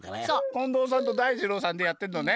近藤さんと大二郎さんでやってんのね。